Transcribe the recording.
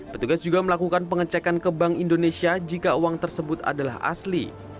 petugas juga melakukan pengecekan ke bank indonesia jika uang tersebut adalah asli